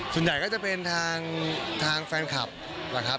ส่วนใหญ่ก็จะเป็นทางแฟนคลับ